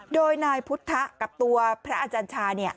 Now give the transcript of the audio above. โดยนายพุทธกับตัวพระอาจารย์ชา